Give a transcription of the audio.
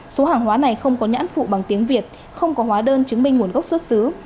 số hàng hóa này không có nhãn phụ bằng tiếng việt không có hóa đơn chứng minh nguồn gốc xuất xứ